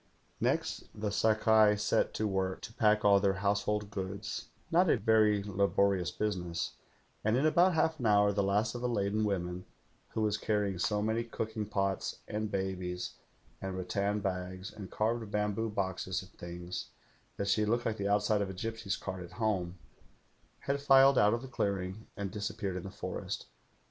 " Next the Sakai set to work to pack all their house hold goods — not a very laborious business; and in about half an hour the last of the laden won^en, who Was carrying so many cooking pots, and babies and rattan bags and carved bamboo boxes and things, that she looked like the outside of a gipsy's cart at home, had filed out of the clearing and disappeared in the forest.